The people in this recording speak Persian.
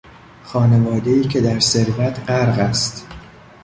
خانوادهای که در ثروت غرق است